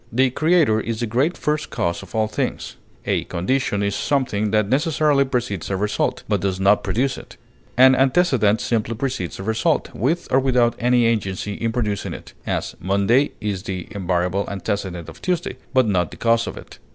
The Creator is the Great First Cause of all things. A condition is something that necessarily precedes a result, but does not produce it. An antecedent simply precedes a result, with or without any agency in producing it; as, Monday is the invariable antecedent of Tuesday, but not the cause of it.